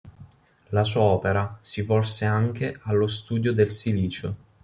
La sua opera si volse anche allo studio del silicio.